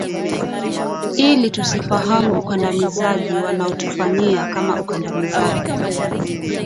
ili tusifahamu ukandamizaji wanaotufanyia kama ukandamizaji